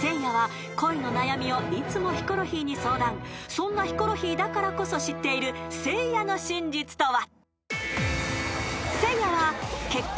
［そんなヒコロヒーだからこそ知っているせいやの真実とは？］